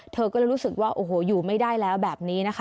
เธอก็เลยรู้สึกว่าโอ้โหอยู่ไม่ได้แล้วแบบนี้นะคะ